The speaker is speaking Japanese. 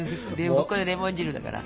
これレモン汁だから。